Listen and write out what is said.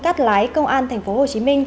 cát lái công an tp hcm